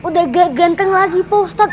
udah ganteng lagi pak ustadz